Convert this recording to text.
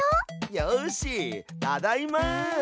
よしただいま！